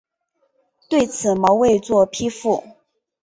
对此毛未作批复。